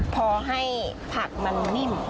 พอให้ผักมันนิ่ม